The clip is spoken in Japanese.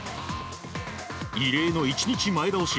異例の１日前倒し。